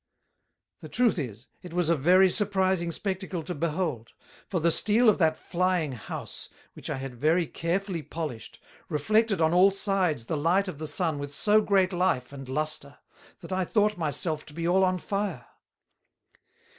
The truth is, it was a very surprizing Spectacle to behold; for the Steel of that flying House, which I had very carefully Polished, reflected on all sides the light of the Sun with so great life and lustre, that I thought my self to be all on fire.